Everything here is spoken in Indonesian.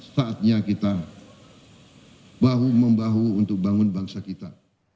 saatnya kita bahu membahu untuk bangun bangsa kita